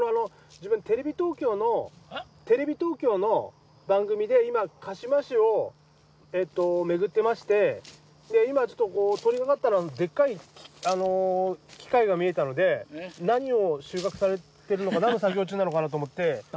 自分テレビ東京の番組で今鹿嶋市を巡ってましてで今通りかかったらでっかい機械が見えたので何を収穫されているのか何の作業中なのかなと思って。